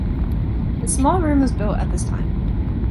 The small room was built at this time.